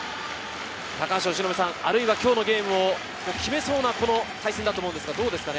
今日のゲームを決めそうなこの対戦だと思うんですがどうですか？